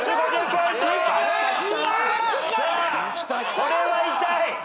さあこれは痛い。